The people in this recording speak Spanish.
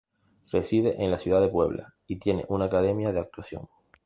Reside en la ciudad de Puebla y tiene una academia de actuación.